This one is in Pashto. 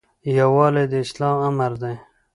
یووالی د اسلام امر دی